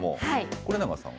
是永さんは？